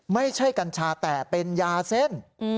ไม่ใช่กัญชาแต่เป็นยาเส้น